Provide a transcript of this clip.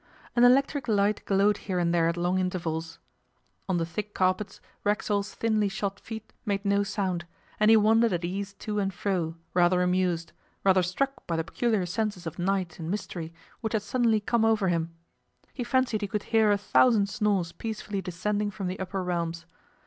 An electric light glowed here and there at long intervals. On the thick carpets, Racksole's thinly shod feet made no sound, and he wandered at ease to and fro, rather amused, rather struck by the peculiar senses of night and mystery which had suddenly come over him. He fancied he could hear a thousand snores peacefully descending from the upper realms.